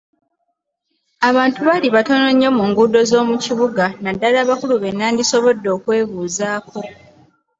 Abantu baali batono nnyo mu nguudo z'omu kibuga naddala abakulu be nnandisobodde okwebuuzaako.